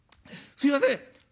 すいません」。